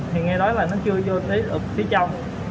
thì nghe nói là nó chưa vô tới phía trong